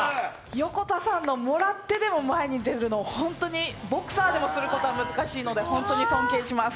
横田さんのもらってでも前に出るのボクサーでもすることは難しいので、ホントに尊敬します。